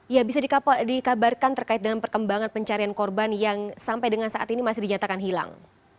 ya bisa dikabarkan terkait dengan perkembangan pencarian korban yang sampai dengan saat ini masih dinyatakan hilang